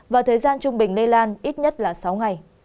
và thời gian trung bình lây lan ít nhất là sáu ngày